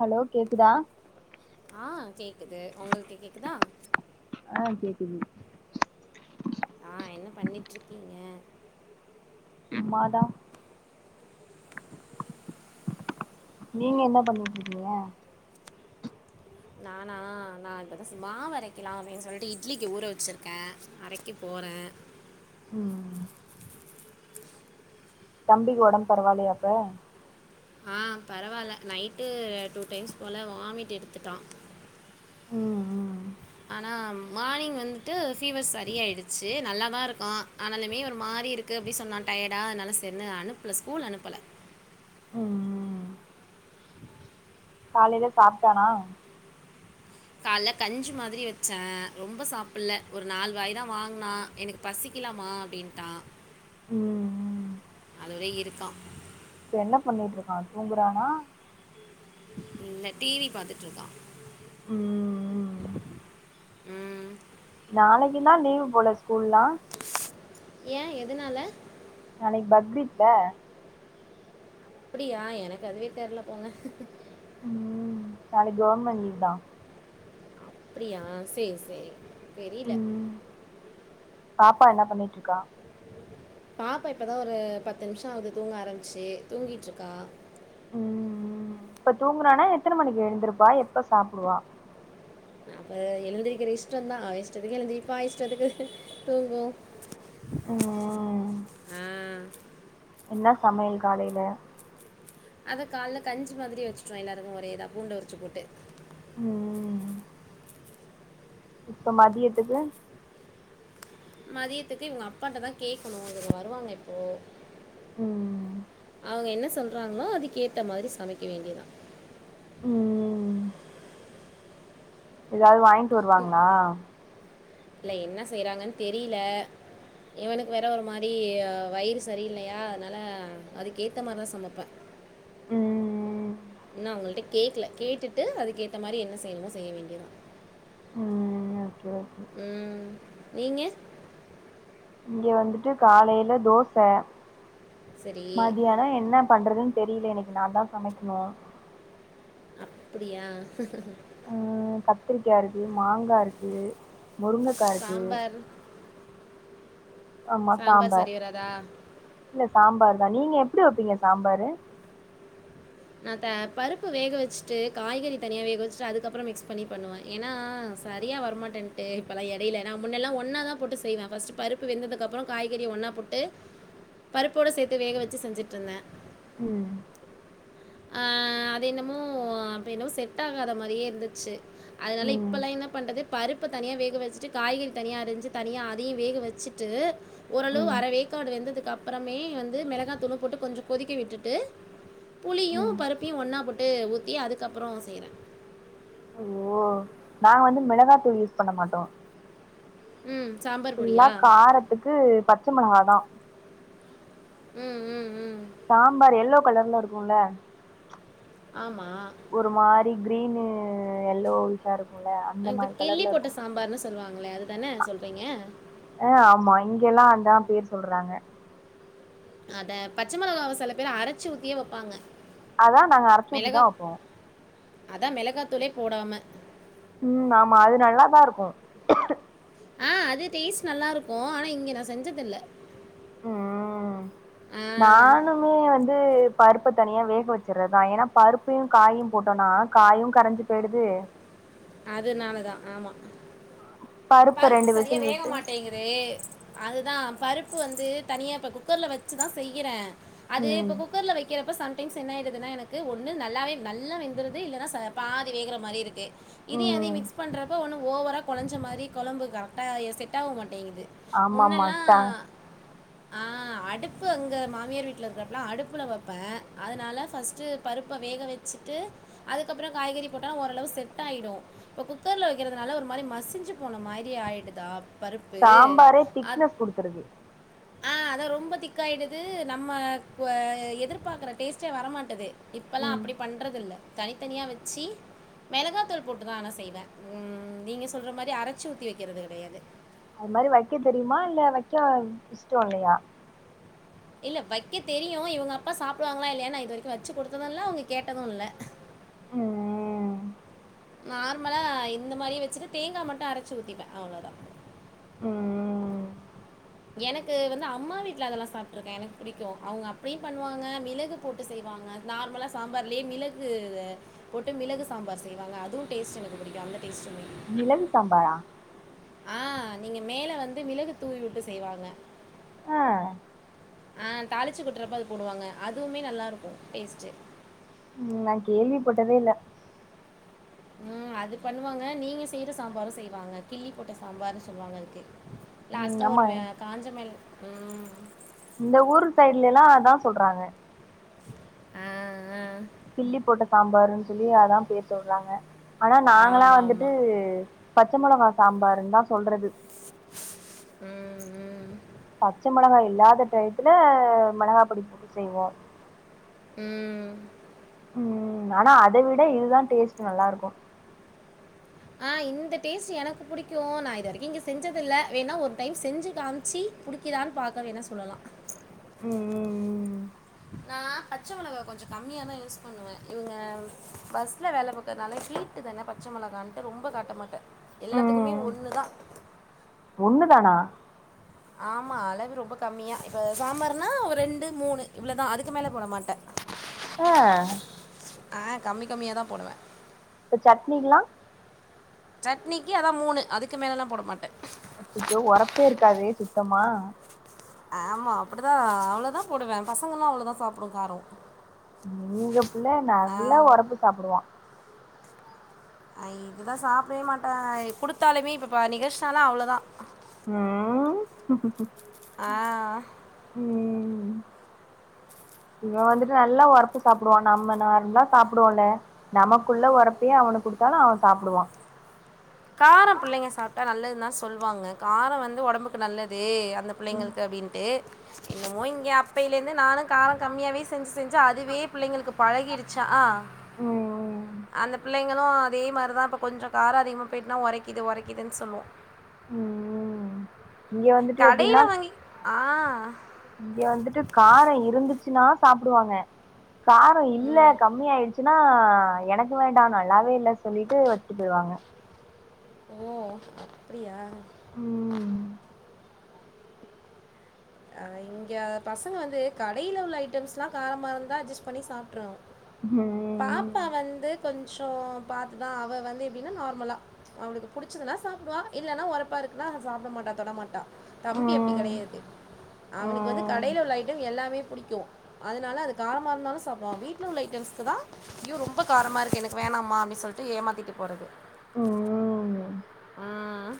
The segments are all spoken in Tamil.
ஹலோ கேக்குதா ஆ கேக்குது உங்குளுக்கு கேக்குதா ஆ கேக்குது ஆ என்ன பண்ணிட்ருக்கீங்க சும்மாதா நீங்க என்ன பண்ணீட்ருக்கீங்க நானா நா இப்பத்தா மாவு அரைக்கலா அப்டின் சொல்ட்டு இட்லிக்கு ஊற வச்சுருக்கே அரைக்க போறன் ம் தம்பிக்கு ஒடம்பு பரவாயில்லையா இப்ப ஆ பரவாயில்ல நைட்டு டூ டைம்ஸ் போல வாமிட் எடுத்துட்டா ம் ம் ஆனா மார்னிங் வந்துட்டு ஃபீவர் சரியாயிடுச்சி நல்லா தா இருக்கான் ஆனாலுமே ஒரு மாரி இருக் க்கு அப்டி சொன்னான் டயடா அதனால செரின்னு அனுப்பல ஸ்கூல் அனுப்பல ம் ம் காலையில சாப்ட்டானா கால்ல கஞ்சி மாதிரி வச்சே ரொம்ப சாப்பல்ல ஒரு நாலு வாயி தா வாங்கனா எனக்கு பசிக்கலமா அப்டின்ட்டா ம் ம் அதோட இருக்கான் இப்ப என்ன பண்ணிட்டு இருக்கா தூங்கறானா இல்ல டிவி பாத்துட்டு இருக்கான் ம் ம் ம் நாளைக்கு தா லீவு போல ஸ்கூல்லான் ஏ எதுனால நாளைக்கு பக்ரித் இல்ல அப்டியா எனக்கு அதுவே தெர்ல போங்க ம் நாளைக்கு கவுர்மெண்ட் லீவ் தா அப்டியா சேரி சேரி தெரியில ம் பாப்பா என்ன பண்ணிட்டு இருக்கா பாப்பா இப்பதா ஒரு பத்து நிமிஷம் ஆகுது தூங்க ஆரம்பிச்சி தூங்கிட்டு இருக்கா ம் ம் இப்ப தூங்கறான்னா எத்தன மணிக்கு எழுந்திருப்பா எப்ப சாப்டுவா அவ எழுந்திருக்கிற இஷ்டம்தா இஷ்டத்துக்கு எழுந்திரிப்பா இஷ்டத்துக்கு தூங்கும் ம் ம் ஆ என்ன சமையல் காலைல அதா கால்ல கஞ்சி மாதிரி வச்சிட்டோ எல்லாருக்கு ஒரே இதா பூண்ட உரிச்சி போட்டு ம் இப்ப மதியத்துக்கு மதியத்துக்கு இவுங்க அப்பாட்டதா கேக்கணு இவங்க வருவாங்க இப்போ ம் அவுங்க என்ன சொல்றாங்களோ அதுக்கேத்த மாரி சமைக்க வேண்டியதா ம் எதாவது வாங்கிட்டு வருவாங்களா இல்ல என்ன செய்றாங்கன் தெரியில இவனுக்கு வேற ஒரு மாரி வயிறு சரியில்லயா அதனால அதுக்கு ஏத்த மாரிதா சமப்பே ம் இன்னோ அவுங்கள்ட்ட கேக்கல கேட்டுட்டு அதுக்கேத்த மாரி என்ன செய்ணுமோ செய்ய வேண்டியதா ம் ஓகே ஓகே ம் நீங்க இங்க வந்துட்டு காலையில தோச சரி மதியானோ என்ன பண்றதுன் தெரியில எனக்கு நா தான் சமைக்குணு அப்டியா ம் கத்திரிக்கா இருக்கு மாங்கா இருக்கு முருங்கக்கா இருக்கு சாம்பார் ஆமா சாம்பார் சரி வராதா இல்ல சாம்பார் தா நீங்க எப்டி வப்பீங்க சாம்பாரு நா த பருப்பு வேகவச்ட்டு காய்கறி தனியா வேகவச்ட்டு அதுக்கப்றோ மிக்ஸ் பண்ணி பண்ணுவே ஏனா சரியா வரமாட்டேன்ட்டு இப்பல்லா எடையில நா முன்னெல்லா ஒன்னா தா போட்டு செய்வே ஃபஸ்ட்டு பருப்பு வெந்ததுக் அப்றோ காய்கறி ஒன்னா போட்டு பருப்போடு சேத்து வேக வச்சு செஞ்சிட்ருந்தே ம் ஆ அது என்னமோ அப்ப என்னவோ செட் ஆகாத மாரியே இருந்துச்சு அதனால ம் இப்பல்லா என்ன பண்றது பருப்ப தனியா வேக வச்சுட்டு காய்கறி தனியா அரிஞ்சு தனியா அதயு வேக வச்சுட் ட்டு ஓரளவு ம் அரவேக்காடு வெந்துதுக் அப்றமே வந்து மெளகா தூள போட்டு கொஞ்சோ கொதிக்க விட்டுட்டு புளியு ம் பருப்பையு ஒன்னா போட்டு ஊத்தி அதுக்கப்றோ செய்வே ஓ நாங்க வந்து மெளகா தூள் யூஸ் பண்ண மாட்டோ ம் சாம்பா ஃபுல்லா காரத்துக்கு பச்ச மெளகா தா ம் ம் ம் சாம்பார் எல்லோ கலர்ல இருக்குல்ல ஆமா ஒரு மாரி கிரீனு எல்லோவிஷா இருக்குல்ல அந்த மாரி கலர்ல இருக்கு சொல்லுவாங்ளே அதுதான சொல்றீங்க அ ஆமா இங்கெல்லா அதா பேர் சொல்றாங்க அத பச்ச மெளகாவ செல பேர் அரச்சு ஊத்தியே வப்பாங்க அதா நாங்க அரச்சு ஊத்தி தா வப்போ அதா மெளகா தூளே போடாம ம் ஆமா அது நல்லாதா இருக்கு ஆ அது டேஸ்ட் நல்லா இருக்கு ஆனா இங்க நா செஞ்சதுல்ல நானு னு வந்து பருப்பு தனியா வேக வச்சுரதா ஏனா பருப்பையு காயு போட்டோனா காயு கரைஞ்சி போய்டுது அதுனால தா ஆமா பருப்ப பருப்பு ரெண்டு சரியா விசில் வேக விட்டு மாட்டேங்குது தே அதுதா பருப்பு வந்து தனியா இப்ப குக்கர்ல வச்சுதா செய்யுறே அது ம் இப்ப குக்கர்ல வைக்கிறப்ப சம் டைம்ஸ் என்ன ஆயிடுதுன்னா எனக்கு ஒன்னு நல்லாவே நல்லா வெந்துருது இல்லனா ச பாதி வேகிற மாரி இருக்கு இதையு அதையு ம் மிக்ஸ் பண்றப்ப ஒன்னு ஓவரா கொலைஞ்ச மாரி கொழம்பு கரெக்டா செட் ஆவ மாட்டேங்குது ஆமாமா ட்ட முன்னெல்லாம் ஆ அடுப்பு அங்க மாமியார் வீட்ல இருக்கிறப்ல அடுப்புல வப்பே அதனால ஃபஸ்ட்டு பருப்ப வேக வச்சுட்டு அதுக்கப்றோ காய்கறி போட்டா ஓரளவு செட் ஆயிடு இப்போ குக்கருல வைக்கிறதுனால ஒரு மாரி மசிஞ்சி போன மாரி ஆயிடுதா பருப்பு. சாம்பாரே அத் திக்னஸ் குடுத்துருது ஆ அதா ரொம்ப திக்காயிடுது நம்ம க எதிர்பாக்குற டேஸ்ட்டே வரமாட்டேது இப்பல்லா ம் அப்டி பண்றதுல்ல தனித்தனியா வச்சு மெளகா தூள் போட்டுதா ஆனா செய்வே ம் நீங்க சொல்ற மாரி அரச்சு ஊத்தி வைக்குறது கெடயாது அது மாரி வைக்க தெரியுமா இல்ல வைக்க இஷ்டோ இல்லையா இல்ல வைக்க தெரியு இவங்க அப்பா சாப்பிடுவாங்களா இல்லையான்னு இது வரைக்கு வச்சு குடுத்தது இல்ல அவங்க கேட்டது இல்ல ம் நார்மலா இந்த மாரியே வச்சுட்டு தேங்கா மட்டு அரச்சி ஊத்திப்பே அவ்ளோதா ம் எனக்கு வந்து அம்மா வீட்ல அதலா சாப்ட்ருக்கே எனக்கு புடிக்கூ அவங்க அப்பயு பண்ணுவாங்க மிளகு போட்டு செய்வாங்க நார்மலா சாம்பார்லயே மிளகூவ போட்டு மிளகு சாம்பார் செய்வாங்க அதுவு டேஸ்ட் எனக்கு பிடிக்கு அந்த டேஸ்டுமே மிளகு சாம்பாரா ஆ நீங்க மேல வந்து மிளகு தூவி வுட்டு செய்வாங்க ஆ அ தாளிச்சு கொட்றப்ப அது போடுவாங்க அதுவுமே நல்லாருக்கூ டேஸ்ட்டு ம் நா கேள்வி பட்டதே இல்ல ம் அது பண்ணுவாங்க நீங்க செய்யற சாம்பாரு செய்வாங்க கிள்ளி போட்ட சாம்பாரு சொல்லுவாங்க அதுக்கு ம் லாஸ்ட்டா ஒரு ஆமா அ காஞ்ச மாரி ம் இந்த ஊர் சைட்ல எல்லா அதா சொல்றாங்க அ அ கிள்ளி போட்ட சாம்பாருன் சொல்லி அதா பேர் சொல்றாங்க ஆனா நாங்களா ஆமாம் வந்துட்டு ஆமாம் பச்ச மொளகா சாம்பாருன் தா சொல்றது அ பச்ச மெளகா இல்லாத டயத்துல மெளகா பொடி போட்டு செய்வோ ம் ம் ஆனா அத விட இதுதா டேஸ்ட் நல்லாருக்கூ ஆ இந்த டேஸ்ட் எனக்கு புடிக்கு நா இது வரைக்கு இங்க செஞ்சது இல்ல வேணா ஒரு டைம் செஞ்சு காமிச்சு புடி க்கிதான் பாக்க வேணா சொல்லலா ம் ம் ம் ம் நா பச்ச மெளகா கொஞ்ச கம்மியா தா யூஸ் பண்ணுவே இவங்க பஸ்ல வேல பாக்கதுனால ஹீ ட்டு தான பச்ச மெளகான்ட்டு ரொம்ப காட்ட மாட்ட எல்லாத்துக்குமே ஒன்னு தா ஒண்ணு தானா ஆமா அளவு ரொம்ப கம்மியா இப்ப சாம்பார்னா ரெண்டு மூணு இவ்ளோதா அதுக்கு மேல போட மாட்ட ஆ ஆ கம்மி கம்மியாதா போடுவ இப்ப சட்னிக்லா சட்னிக்கு அதா மூணு அதுக்கு மேலல்லா போட மாட்டே அச்சச்சோ ஒரப்பே இருக்காதே சுத்தமா ஆமா அப்புடிதா அவ்ளோதா போடுவே பசங்கலா அவ்வளோதா சாப்புடு காரொ எங்க புள்ள நல்லா ஒரப்பு சாப்புடுவா அ இதுதா சாப்டவே மாட்டா குடுத்தாலுமே இப்ப பா நிகஷ்னாலா அவ்ளோதா ஆ ஆ ம் இவ வந்துட்டு நல்லா ஒரப்பு சாப்புடுவா நம்ம நார்மலா சாப்புடுவோல்ல நமக்குள்ள ஒரப்பையு அவனு குடுத்தாலு அவ சாப்டுவா காரம் புள்ளைங்க சாப்டா நல்லதுன் தா சொல்லுவாங்க காரொ வந்து ஒடம்புக்கு நல்லது அந்த ம் புள்ளைங்களுக்கு அப்டின்ட்டு என்னமோ இங்க அப்பையில இருந்து நானு காரொ கம்மியாவே செஞ்சு செஞ்சு அதுவே புள்ளைங்களுக்கு பழகிருச்சா ஆ ம் ம் ம் அந்த புள்ளைங்களு அதே மாரி தா இப்ப கொஞ்சோ காரொ அதிகமா போய்ட்டுனா ஒரைக்குது ஒரைக்குதுன் சொல்லூ ம் ம் இங்க வந்துட்டு கடையில எப்டின்னா வாங்கி ஆ இங்க வந்துட்டு காரொ இருந்துச்சுன்னா சாப்புடுவாங்க காரொ இல்ல கம்மி ஆயிடுச்சு ச்னா எனக்கு வேண்டாங் நல்லாவே இல்ல சொல்லிட்டு வச்சுட்டு போயிடுவாங்க ஓ அப்டியா ம் ஆ இங்க பசங்க வந்து கடைல உள்ள ஐட்டம்ஸ்லா காரமா இருந்தா அட்ஜஸ்ட் பண்ணி சாப்புட்ருவாங் ம்ம் அப்பா வந்து கொஞ்சோ பாத்துதா அவ வந்து எப்டினா நார்மலா அவளுக்கு புடிச்சுதுனா சாப்புடுவா இல்லனா உரப்பா இருக்குனா அத சாப்புட மாட்டா தொடமாட்டா தம்பி அப்டி ம் கெடையாது அவனுக்கு வந்து ம். கடைல உள்ள ஐட்டம் எல்லாமே புடிக்கு அதனால அது காரமா இருந்தாலு சாப்புடுவா வீட்ல உள்ள ஐட்டம்ஸ்கு தா ஐயோ ரொம்ப காரமா இருக்கு எனக்கு வேணாம்மா அப்டின் சொல்ட்டு ஏமாத்திட்டு போறது ம். ம்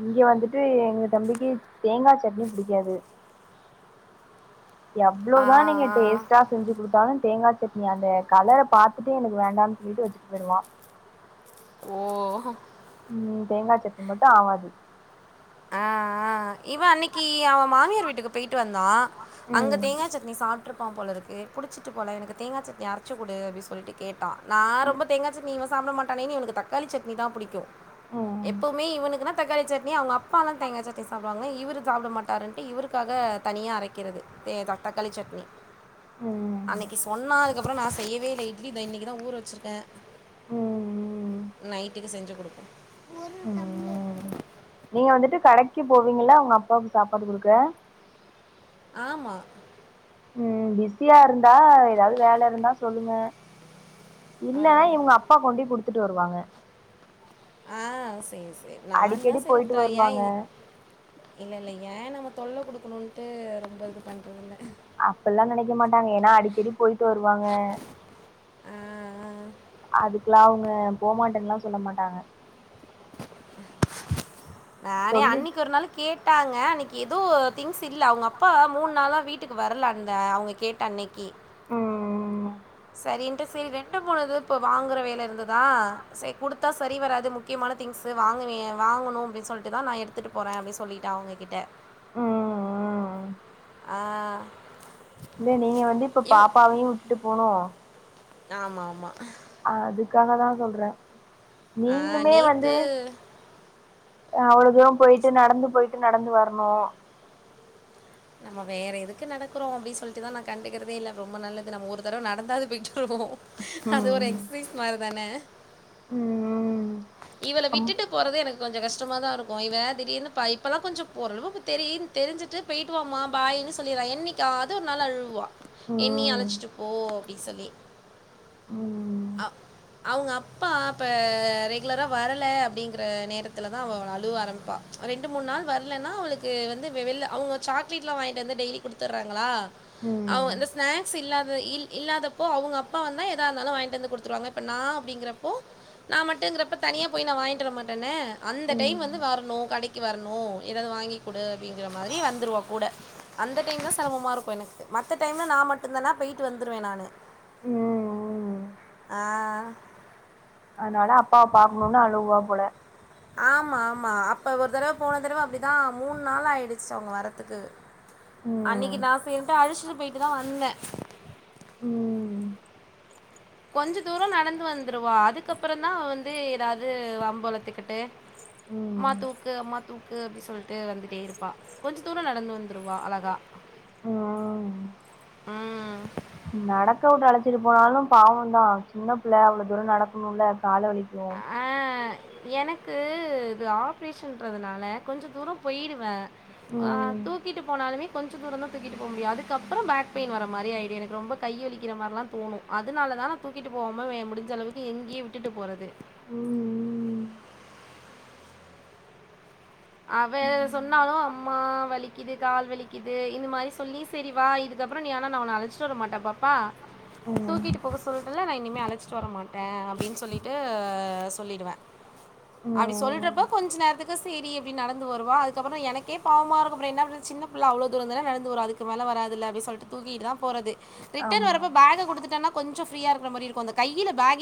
இங்க வந்துட்டு எங்க தம்பிக்கு தேங்கா சட்னி புடிக்காது ஆ, எவ்ளோதா நீங்க ஆ. டேஸ்டா செஞ்சு குடுத்தாலு தேங்கா சட்னி அந்த கலர பாத்துட்டு எனக்கு வேண்டான் சொல்லிட்டு வச்சுட்டு போயிடுவா ஓ ம் தேங்கா சட்னி மட்டு ஆவாது ஆ இவ அன்னிக்கி அவ மாமியார் வீட்டுக்கு பேயிட்டு வந்தா அங்க ம். தேங்கா சட்னி சாப் விட்ருப்பா போல இருக்கு புடிச்சிட்டு போல எனக்கு தேங்கா சட்னி அரச்சுக்குடு அப்டி சொல்ட்டு கேட்டா நா ரொம்ப தேங்கா சட்னி இவ சாப்ட மாட் டானேன் இவனுக்கு தக்காளி சட்னி தா புடிக்கு ம். எப்பவுமே இவனுக்குனா தக்காளி சட்னி அவுங்க அப் அப்பாலா தேங்கா சட்னி சாப்புடுவாங்க இவரு சாப்ட மாட்டாருன்ட்டு இவருக்காக தனியா அரைக்கிறது தே தக்காளி சட்னி ம். அன்னைக்கு சொன்ன அதுக்கப்பற நா செய்யவே இல்ல இட்லி தா இன்னைக்கு தா ஊர வெச்சுருக்கே ம். நைட்டுக்கு செஞ்சு குடுப்போ ம் நீங்க வந்துட்டு கடைக்கு போவீங்கள உங்க அப்பாவுக் சாப்பாடு குடுக்க ஆமா ம் பிஸியா இருந்தா ஏதாவது வேல இருந்தா சொல்லுங்க இல்ல இவுங்க அப்பா கொண்டி குடுத்துட்டு வருவாங்க ஆ சேரி சேரி நான் தா அடிக்கடி சேரி போயிட்டு வருவாங்க. ட்ரையேயிது இல்ல இல்ல ஏ நம்ம தொல்ல குடுக்குணுன்ட்டு ரொம்ப இது பண்றதுல்ல அப்பில்லா நெனைக்க மாட்டாங்க ஏன்னா அடிக்கடி போயிட்டு வருவாங்க ஆ, ஆ. அதுக்கிலாவ்ங் ப போமாட்டன்லா சொல்ல மாட்டாங்க நானே சொல்லிட்டு அன்னிக்கி ஒரு நாளு கேட்டாங்க அன்னிக்கி எதோ திங்ஸ் இல்ல அவுங்க அப்பா மூண் நாளா வீட்டுக்கு வர்லண்ட அவுங்க கேட்ட அன்னைக்கி ம் ம் சரின்ட்டு சேர் ரெண்டு மூணுது இப்போ வாங்குற வேல இருந்ததா சே குடுத்தா சரி வராது முக்கியமான திங்ஸு வாங்குவிய வாங்குணு அப்டின் சொல்ட்டு தா நா எடுத் திட்டு போறே அப்டி சொல்லிட்டே அவுங்கிட்ட ம் ம் ஆ இல்ல நீங்க வந்து இப்ப பாப்பாவையு விட்டு போனு நாமாமா அதுக்காக தா சொல்றே ஆ நீங்ளுமே வந்து நேத்து அவ்ளோ தூரோ போயிட்டு நடந்து போயிட்டு நடந்து வர்ணு நம்ம வேற எதுக்கு நடக்குறோ அப்டி சொல்ட்டுதா நா கண்டுக்கறதே இல்ல ரொம்ப நல்லது நம்ம ஒரு தரவ நடந்தாது போயிட்டு வருவோ அது ஒரு எக்ஸசைஸ் மாரிதான ம் ம் இவள அம் விட்டுட்டு போறதே எனக் கு கொஞ்சோ கஷ்டமாதாருக்கு இவ திடீர்னு ப இப்பதா கொஞ்சோ ஓரளவுளக்கு தெரின் தெரிஞ்சிட்டு பேயிட்டுவாம்மா பாய்னு சொல்லிறா என்னிக்காது ஒரு நாள் அழுவா என்னிய ம் அழைச்சிட்டு போ அப்டி சொல்லி ம் ம் அ அவுங்க அப்பா இப்ப ரெகுலரா வரல அப்டிங்ற நேரத்துலதா அவ அழுவ ஆரம்ப்பா ரெண்டு மூன் நாள் வரலன்னா அவளுக்கு வந்து வெ வெள்ள அவுங்க சாக்லேட்லா வாங்கிட் வந்து டெய்லி குடுத்தர்றாங்ளா அவ ம் அந்த ஸ்நாக்ஸ் இல்லாத இல் இல்லாதப்போ அவுங்க அப்பா வந்தா எதாந்தாலு வாங்கி ட்டு குடுத்துருவாங்க இப்ப நா அப்டிங்கறப்போ நா மட்டுங்றப்ப தனியா போய் நா வாங்கிட் வரமாட்டன்னே அந்த டைம் ம் வந்து வர்ணு கடக்கி வர்ணு ஏதாது வாங்கி குடு அப்டிங்கற மாரி வந்துருவா கூட அந்த டைம்ந்தா செரமமாருக்கு எனக்கு மத்த டைம்ல நா மட்டுந்தான பேயிட்டு வந்துருவேன் நானு ம் அ அதனால அப்பாவ பாக்கணுனு அழுவா போல ஆமா ஆமா அப்ப ஒரு தரவ போன தரவ அப்டிதா மூன்னாளாயிடுச்சு அவுங்க வரத்துக்கு ம் அன்னிக்கு நா சேர்ன்ட்டு அழச்சிட்டு போயிட்டுதா வந்தே ம் கொஞ்ச தூரோ நடந்து வந்துருவா அதுக்கப்பறந்தா வந்து ஏதாது வம்பளத்துக்கிட்டு ம்மா ம் தூக்கு அம்மா தூ க்கு அப்டி சொல்ட்டு வந்துட்டேருப்பா கொஞ்ச தூரோ நடந்து வந்துருவா அழகா ம் அ நடக்கவுட்டு அழச்சிட்டு போனாலு பாவந்தா சின்ன பிள்ள அவ்ளோ தூரோ நடக்கணுல்ல கால வலிக்கு அ எனக்கு இது ஆப்ரேஷன்றதுனால கொஞ்ச தூரோ போய்டுவே அ ம் தூக்கிட்டு போனாலுமே கொஞ்சம் தூரந்தா தூக்கிட்டு போ முடியு அதுக்கப்பற பேக் பெயின் வர மாரி ஆயிடு எனக்கு ரொம்ப கையி வலிக்கிற மாரிலா தோணு அதுனால தா நா தூக்கிட்டு போவாம வே முடிஞ்சளவுக்கு இங்கியே விட்டுட்டு போறது ம் ம் அவ ம் சொன்னாலு அம்மா வலிக் கிது கால் வலிக்கிது இந்த மாரி சொல்லி சரிவா இதுக்கப்பறோ நீ ஆனா நா ஒன்ன அழச்சிட்டு வரமாட்ட பாப்பா ம் தூக்கிட்டு போக சொல்றல நா இனிமே அழ ச்சு வர மாட்ட அப்டின் சொல்லிட்டு சொல்லிடுவே அப்டி சொல்றப் ம் ப கொஞ்ச நேரத்துக்கு சேரி ப்டி நடந்து வருவா அதுக்கப்பறோ எனக்கே பாவமாருக்கு அப்ற என்ன பண்றது சின்ன பிள்ள அவ்ளோ தூரந்தான நடந்து வரு அதுக்கு மேல வராதுல்ல அப்டி சொல்ட்டு தூக்கிகிட்டு தா போறது ரிட்டன் ஆமா வரப்ப பேக குடுத்துட்டன்னா கொஞ்சோ ஃப்ரீயா இருக்ற மாரி இருக்கு அந்த கையில பேகயு